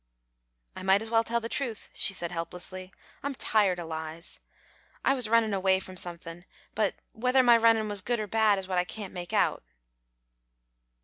"I might as well tell the truth," she said, helplessly. "I'm tired o' lies. I was runnin' away from somethin', but whether my runnin' was good or bad is what I can't make out."